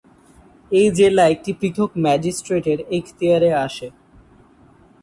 এই জেলা একটি পৃথক ম্যাজিস্ট্রেটের এখতিয়ারে আসে।